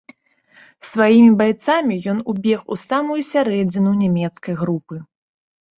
З сваімі байцамі ён убег у самую сярэдзіну нямецкай групы.